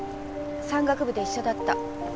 山岳部で一緒だった。